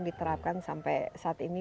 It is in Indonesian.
diterapkan sampai saat ini